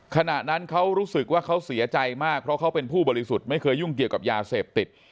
ขณะนั้นเขารู้สึกว่าเขาเสียใจมากเพราะเขาเป็นผู้บริสุทธิ์ไม่เคยยุ่งเกี่ยวกับยาเสพติด